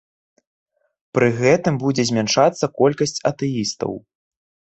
Пры гэтым будзе змяншацца колькасць атэістаў.